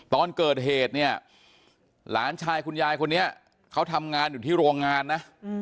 ตอนเกิดเหตุเนี่ยหลานชายคุณยายคนนี้เขาทำงานอยู่ที่โรงงานนะ